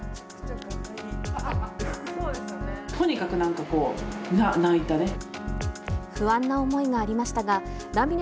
とにかくなんか、泣いたね。